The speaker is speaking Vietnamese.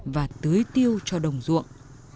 và tưới tiêu cho đồng ruộng